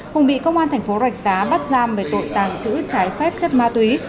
hùng bị công an tp hcm bắt giam về tội tàng trữ trái phép chất ma túy